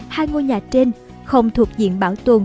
hai ngôi nhà trên không thuộc diện bảo tồn